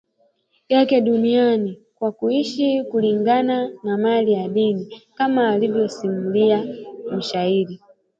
Yake duniani kwa kuishi kulingana na mila ya dini kama alivyosimulia mshairi